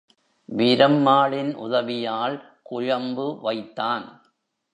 வீரம்மாளின் உதவியால் குழம்பு வைத்தான்.